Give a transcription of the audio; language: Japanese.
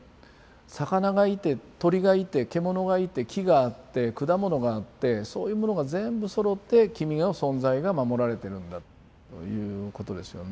魚がいて鳥がいて獣がいて木があって果物があってそういうものが全部そろって君の存在が守られてるんだということですよね。